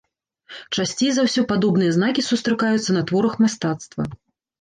Часцей за ўсё падобныя знакі сустракаюцца на творах мастацтва.